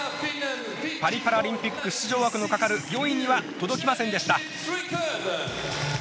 パリパラリンピック出場枠のかかる４位には届きませんでした。